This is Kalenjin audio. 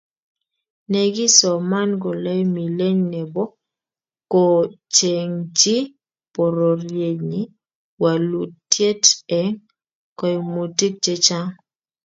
Nekisoman kolae milet nebo kochengchi pororienyi walutiet eng koimutik chechang